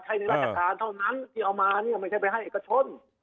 ในราชการเท่านั้นที่เอามาเนี่ยไม่ใช่ไปให้เอกชน